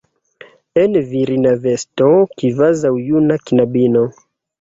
en virina vesto, kvazaŭ juna knabino.